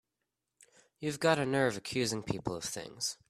You've got a nerve accusing people of things!